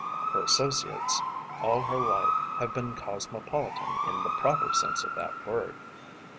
Her associates all her life have been cosmopolitan in the proper sense of that word.